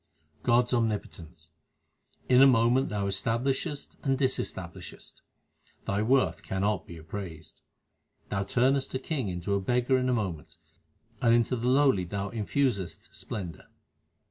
God s omnipotence : In a moment Thou establishest and discs tablishest ; Thy worth cannot be appraised. Thou turnest a king into a beggar in a moment, and into the lowly Thou infusest splendour.